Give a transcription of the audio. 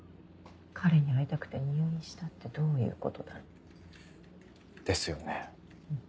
彼に会いたくて入院したってどういうことだろう？ですよね。